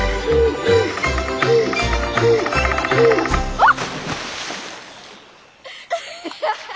あっ！